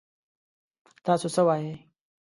تاسو څه وايي ؟